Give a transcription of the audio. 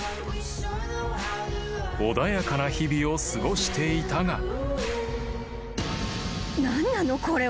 ［穏やかな日々を過ごしていたが］